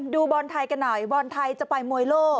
ดูบอลไทยกันหน่อยบอลไทยจะไปมวยโลก